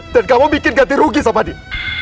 dan kamu bikin ganti rugi sama dia